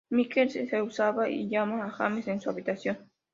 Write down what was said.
Mikey se asusta y llama a James en su habitación.